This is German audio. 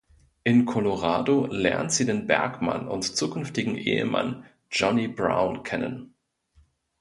In Colorado lernt sie den Bergmann und zukünftigen Ehemann Johnny Brown kennen.